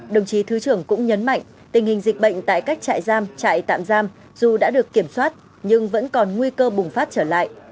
đồng chí thứ trưởng cũng nhấn mạnh tình hình dịch bệnh tại các trại giam trại tạm giam dù đã được kiểm soát nhưng vẫn còn nguy cơ bùng phát trở lại